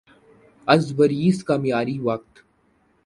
Azores کا معیاری وقت